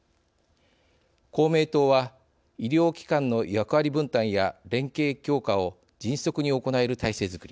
公明党は医療機関の役割分担や連携強化を迅速に行える体制づくり。